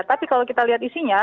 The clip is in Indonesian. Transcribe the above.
tapi kalau kita lihat isinya